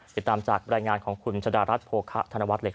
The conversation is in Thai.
ติดตามจากรายงานของคุณชะดารัฐโภคะธนวัฒน์